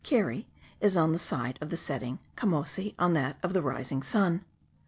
Keri is on the side of the setting, Camosi on that of the rising sun.